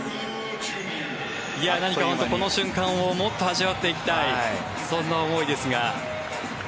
何か、この瞬間をもっと味わっていたいそんな思いですが。